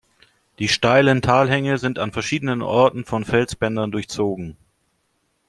Die steilen Talhänge sind an verschiedenen Orten von Felsbändern durchzogen.